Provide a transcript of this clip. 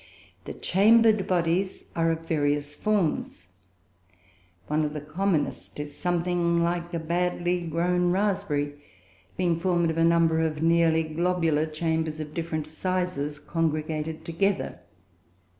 The chambered bodies are of various forms. One of the commonest is something like a badly grown raspberry, being formed of a number of nearly globular chambers of different sizes congregated together.